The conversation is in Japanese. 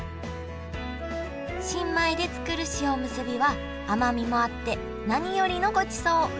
新米で作る塩おむすびは甘みもあって何よりのごちそう